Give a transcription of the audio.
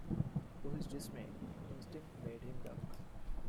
To his dismay, instinct made him duck.